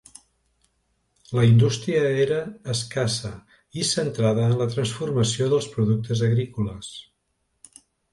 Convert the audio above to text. La indústria era escassa i centrada en la transformació dels productes agrícoles.